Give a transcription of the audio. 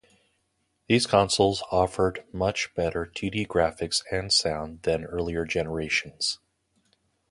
These consoles offered much better two-d graphics and sound then earlier generations.